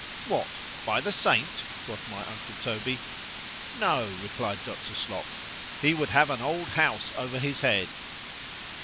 —What, by the saint? quoth my uncle Toby. No, replied Dr. Slop, he would have an old house over his head.